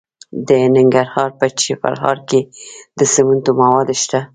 د ننګرهار په چپرهار کې د سمنټو مواد شته.